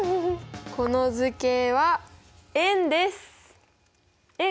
この図形は円です円！